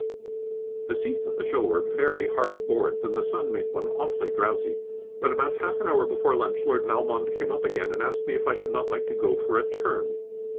The seats at the show were very hard boards, and the sun made one awfully drowsy; but about half an hour before lunch Lord Valmond came up again, and asked me if I should not like to go for a turn.